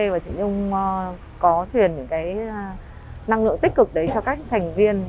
và chị nhung có truyền những cái năng lượng tích cực đấy cho các thành viên